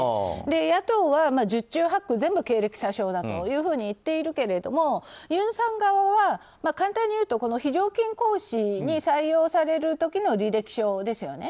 野党は、十中八九全部経歴詐称だというふうに言っているけれどもユンさん側は簡単に言うと、非常勤講師に採用される時の履歴書ですよね。